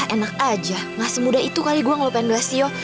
enak aja gak semudah itu kali gue ngelupain blasio